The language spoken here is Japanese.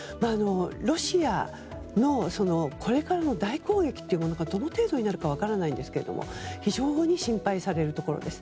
ロシアのこれからの大攻撃がどの程度になるのか分からないんですが非常に心配されるところです。